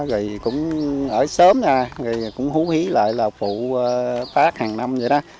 rồi cũng ở sớm nè rồi cũng hú hí lại là phụ tác hàng năm vậy đó